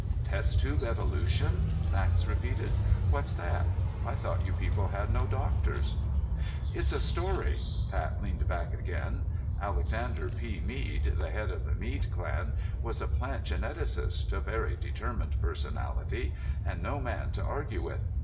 "Test tube evolution?" Max repeated. "What's that? I thought you people had no doctors." "It's a story." Pat leaned back again. "Alexander P. Mead, the head of the Mead clan, was a plant geneticist, a very determined personality and no man to argue with.